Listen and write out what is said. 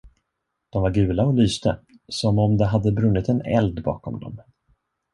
De var gula och lyste, som om det hade brunnit en eld bakom dem.